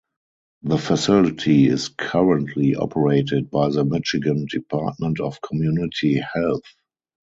The facility is currently operated by the Michigan Department of Community Health.